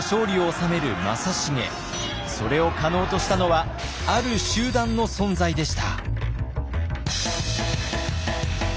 それを可能としたのはある集団の存在でした。